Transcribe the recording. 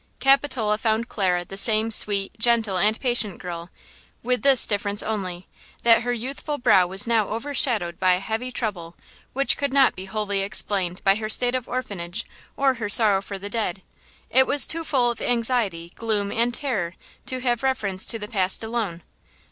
Capitola found Clara the same sweet, gentle and patient girl, with this difference only, that her youthful brow was now overshadowed by a heavy trouble which could not wholly be explained by her state of orphanage or her sorrow for the dead–it was too full of anxiety, gloom and terror to have reference to the past alone.